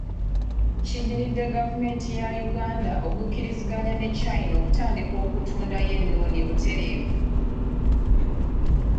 Kiddiridde gavumenti ya Uganda okukkiriziganya ne China okutandika okutundayo ennuuni butereevu.